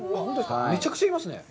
めちゃくちゃいますね。